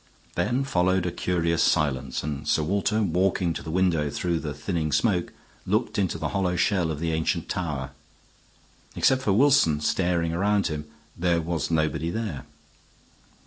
Then followed a curious silence; and Sir Walter, walking to the window through the thinning smoke, looked into the hollow shell of the ancient tower. Except for Wilson, staring around him, there was nobody there.